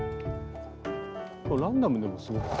ランダムでもすごく。